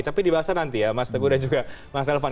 tapi dibahasnya nanti ya mas teguh dan juga mas elvan